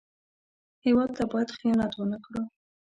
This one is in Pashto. هېواد ته باید خیانت ونه کړو